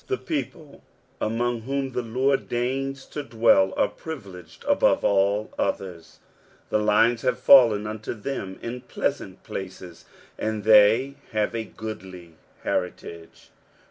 The people among whom the Lord deigns to dwell are privileged above all others ; the lines have fallen unto them in pleasant places, and they have a goodly heritage.